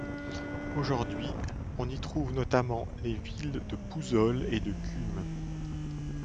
Aujourd'hui, on y retrouve notamment les villes de Pouzzoles et de Cumes.